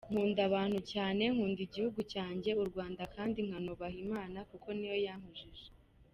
Nkunda abantu cyane, nkakunda igihugu cyanjye u Rwanda kandi nkanubaha Imana kuko niyo yankujije.